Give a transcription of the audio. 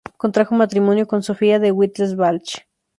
Contrajo matrimonio con Sofía de Wittelsbach.